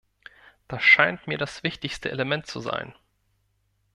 Das Scheint mir das wichtigste Element zu sein.